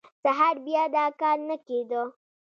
سهار بیا دا کار نه کېده.